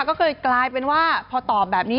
ก็เลยกลายเป็นว่าพอตอบแบบนี้